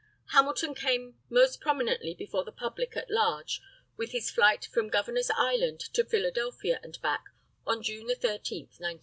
Hamilton came most prominently before the public at large with his flight from Governor's Island to Philadelphia and back, on June 13, 1910.